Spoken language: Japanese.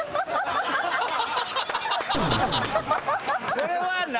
それは何？